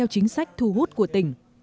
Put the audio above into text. cũng có người đến nơi đây